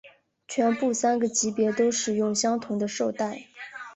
全部三个级别都使用相同的绶带。